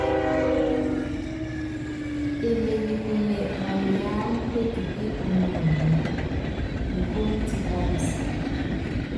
Emenyikune maniáma netupí ónyonyi, mepúnú tipá peseé.